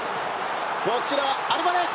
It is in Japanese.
こちら、アルバレス！